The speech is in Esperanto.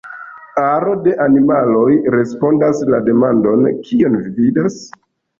Aro da animaloj respondas la demandon "kion vi vidas?